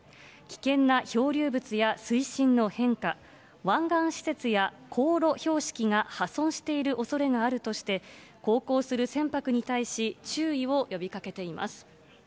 危険な漂流物や水深の変化、湾岸施設や航路標識が破損しているおそれがあるとして、航行する船舶に対し、注意を呼びかけています。